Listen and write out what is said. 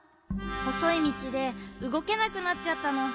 ほそいみちでうごけなくなっちゃったの。